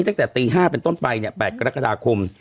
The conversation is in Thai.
ตั้งแต่ตี๕เป็นต้นไปเนี่ย๘กรกฎาคม